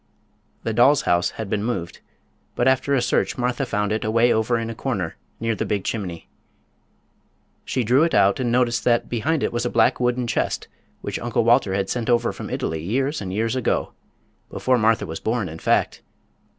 The doll's house had been moved, but after a search Martha found it away over in a corner near the big chimney. She drew it out and noticed that behind it was a black wooden chest which Uncle Walter had sent over from Italy years and years ago—before Martha was born, in fact.